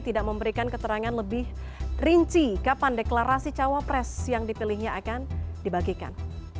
tidak memberikan keterangan lebih rinci kapan deklarasi cawapres yang dipilihnya akan dibagikan